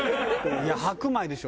いや白米でしょ！